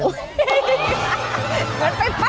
หลักมือน้ำ